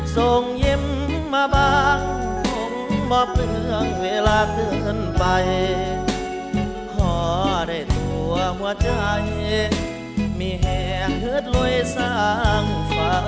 ส่งยิ้มมาบ้างผมบอกเรื่องเวลาเกินไปพอได้ตัวหัวใจมีแห่เหิดล่วยสังฝัน